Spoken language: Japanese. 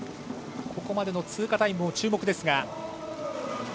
ここまでの通過タイム、注目です。